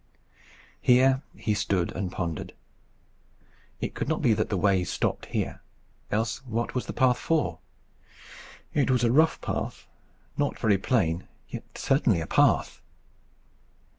Here he stood and pondered. It could not be that the way stopped here, else what was the path for? It was a rough path, not very plain, yet certainly a path.